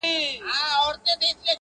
o دى خو بېله تانه كيسې نه كوي.